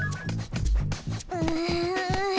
うん。